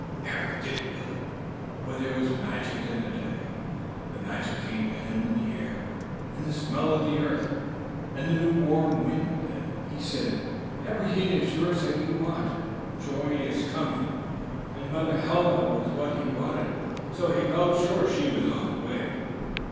Eric did feel it. For there was magic in the day. The magic came to him in the air, in the smell of the earth, in the new warm wind and said, "Everything is yours that you want. Joy is coming." And Mother Helma was what he wanted. So he felt sure she was on the way.